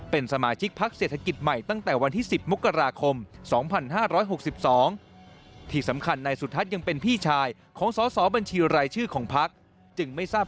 เป็นสมาชิกพักเศรษฐกิจใหม่ตั้งแต่วันที่๑๐มกราคม๒๕๖๒